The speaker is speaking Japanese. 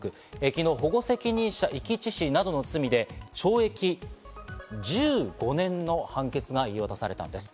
昨日、保護責任者遺棄致死などの罪で、懲役１５年の判決が言い渡されたんです。